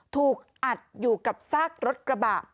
ถูกอัดอยู่กับซากรถกระบะ